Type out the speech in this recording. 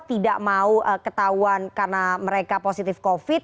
tidak mau ketahuan karena mereka positif covid